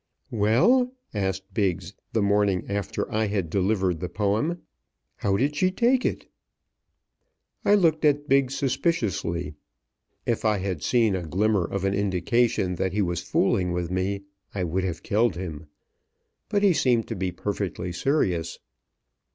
"Well," asked Biggs, the morning after I had delivered the poem, "how did she take it?" I looked at Biggs suspiciously. If I had seen a glimmer of an indication that he was fooling with me, I would have killed him; but he seemed to be perfectly serious.